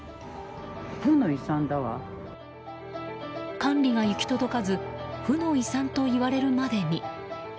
管理が行き届かず負の遺産といわれるまでに。